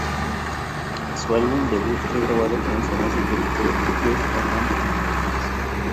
Su álbum debut fue grabado con el famoso productor Josh Abraham en Los Ángeles.